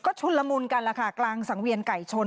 ก็ชุนละมุนกันล่ะค่ะกลางสังเวียนไก่ชน